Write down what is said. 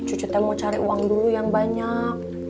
cucu teh mau cari uang dulu yang banyak